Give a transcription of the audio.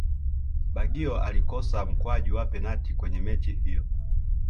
baggio alikosa mkwaju wa penati kwenye mechi hiyo